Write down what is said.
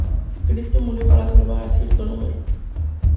Cristo murió para salvar a cierto número.